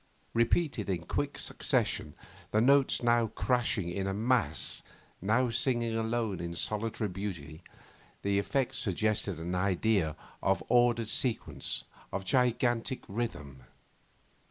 Repeated in quick succession, the notes now crashing in a mass, now singing alone in solitary beauty, the effect suggested an idea of ordered sequence, of gigantic rhythm.